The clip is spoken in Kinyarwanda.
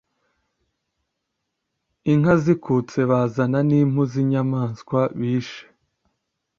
inka zikutse, bazana n' impu z' inyamaswa bishe,